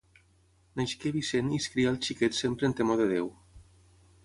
Nasqué Vicent i es crià el xiquet sempre en temor de Déu.